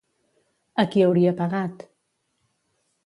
A qui hauria pegat?